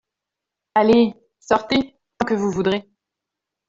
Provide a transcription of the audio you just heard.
Allez… sortez… tant que vous voudrez !…